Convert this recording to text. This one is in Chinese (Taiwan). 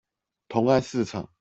同安市場